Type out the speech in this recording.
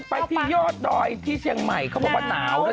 ไปที่ยอดดอยที่เชียงใหม่เขาบอกว่าหนาวเลย